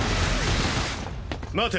待て！